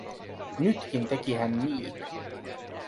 Nytkin teki hän niin.